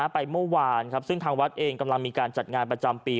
ไปเมื่อวานซึ่งทางวัดเองกำลังมีการจัดงานประจำปี